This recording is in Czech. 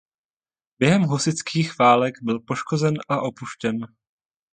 Během husitských válek byl poškozen a opuštěn.